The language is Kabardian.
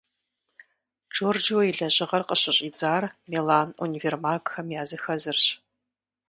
Джорджио и лэжьыгъэр къыщыщӀидзар Милан универмагхэм языхэзырщ.